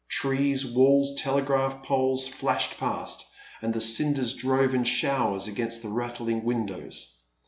Trees, walls, telegraph poles, flashed past, and the cinders drove in showers against the rattling windows.